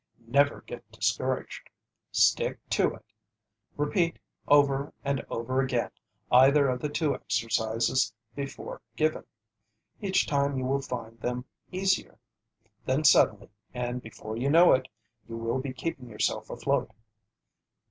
Never get discouraged. Stick to it. Repeat over and over again either of the two exercises before given. Each time you will find them easier. Then suddenly, and before you know it, you will be keeping yourself afloat.